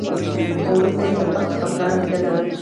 خو وروسته یې په سخت خپګان لیدل